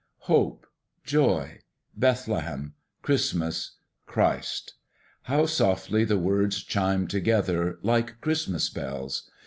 Hope Joy Bethlehem Christmas Christ! How softly the words chime together, like Christmas bells!